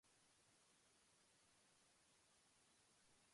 London is the capital city of England and the United Kingdom.